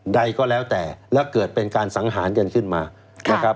ใดก็แล้วแต่แล้วเกิดเป็นการสังหารกันขึ้นมานะครับ